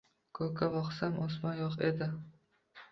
Koʻkka boqsam: osmon yoʻq edi